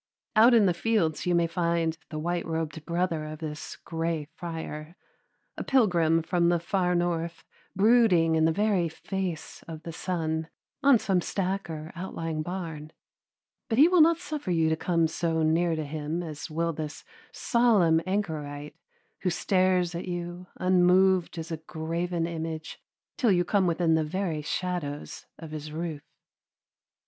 Out in the fields you may find the white robed brother of this gray friar, a pilgrim from the far north, brooding in the very face of the sun, on some stack or outlying barn, but he will not suffer you to come so near to him as will this solemn anchorite who stares at you unmoved as a graven image till you come within the very shadows of his roof.